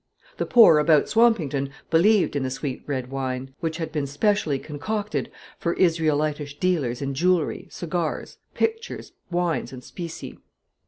The poor about Swampington believed in the sweet red wine, which had been specially concocted for Israelitish dealers in jewelry, cigars, pictures, wines, and specie.